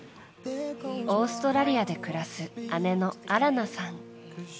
オーストラリアで暮らす姉のアラナさん。